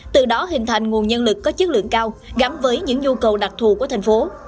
từ đó hình thành nguồn nhân lực có chất lượng cao gắn với những nhu cầu đặc thù của thành phố